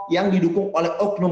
yang didukung oleh oknum